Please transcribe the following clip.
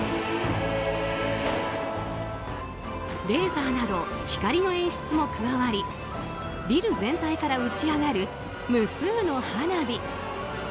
レーザーなど光の演出も加わりビル全体から打ち上がる無数の花火。